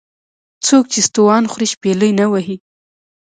ـ څوک چې ستوان خوري شپېلۍ نه وهي .